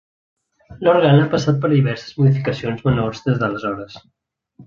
L'òrgan ha passat per diverses modificacions menors des d'aleshores.